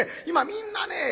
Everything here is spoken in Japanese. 今みんなね